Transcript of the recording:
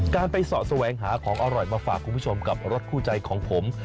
การไปเสาะแสวงหาของอร่อยมาฝากคุณผู้ชมกับรถคู่ใจของผม